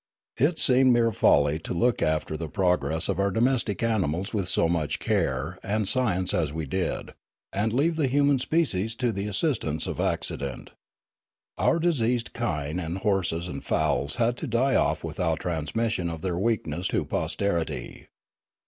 It seemed mere folly to look after the pro gress of our domestic animals with so much care and science as we did, and leave the human species to the assistance of accident. Our diseased kine and horses and fowls had to die off without transmission of their weakness to posterity.